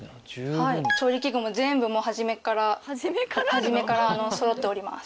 調理器具も全部初めからそろっております。